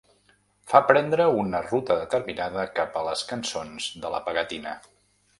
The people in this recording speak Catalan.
Fa prendre una ruta determinada cap a les cançons de la Pegatina.